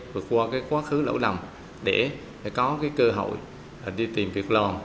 vượt qua quá khứ lẫu lầm để có cơ hội đi tìm việc lò